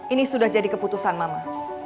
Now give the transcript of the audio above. ini sudah jadi keputusan mama